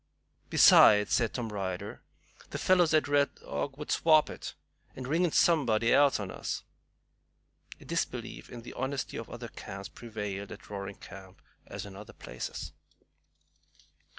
"Besides," said Tom Ryder, "them fellows at Red Dog would swap it, and ring in somebody else on us." A disbelief in the honesty of other camps prevailed at Roaring Camp, as in other places.